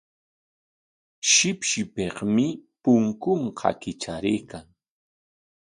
Shipshipikmi punkunqa kitraraykan.